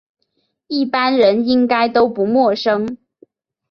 一般人应该都不陌生